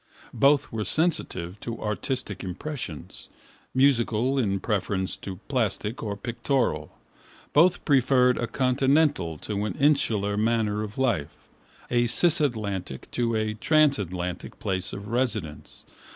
Both were sensitive to artistic impressions, musical in preference to plastic or pictorial. Both preferred a continental to an insular manner of life, a cisatlantic to a transatlantic place of residence.